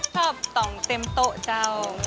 ชอบต่องเต็มโต๊ะเจ้า